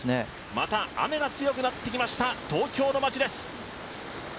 また雨が強くなってきました東京の街です。